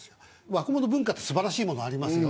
若者文化って素晴らしいものありますよ。